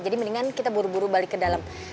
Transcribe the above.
jadi mendingan kita buru buru balik ke dalam